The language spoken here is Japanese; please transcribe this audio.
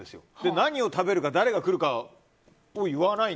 何を食べるか誰が来るか言わない。